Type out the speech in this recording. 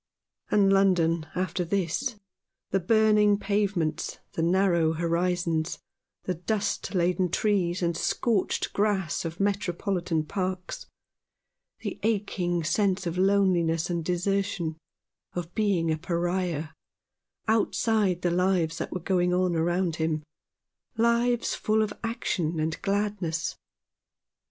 And London after this : the burning pavements, the narrow horizons, the dust laden trees and scorched grass of Metropolitan parks ; the aching sense of loneliness and desertion, of being a Pariah, outside the lives that were going on around him — lives full of action and gladness.